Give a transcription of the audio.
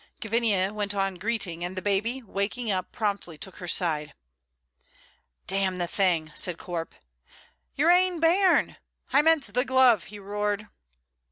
Gavinia went on greeting, and the baby, waking up, promptly took her side. "D n the thing!" said Corp. "Your ain bairn!" "I meant the glove!" he roared.